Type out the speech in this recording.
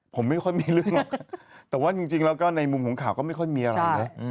ผมไม่ค่อยมีเรื่องหรอกแต่ว่าจริงแล้วก็ในมุมของข่าวก็ไม่ค่อยมีอะไรนะ